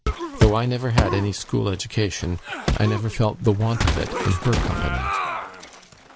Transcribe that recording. Though I never had any school education, I never felt the want of it in her company."